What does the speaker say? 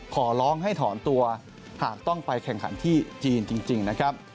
ขอร้องให้ถอนตัวหากต้องไปแข่งขันที่จีนจริงนะครับ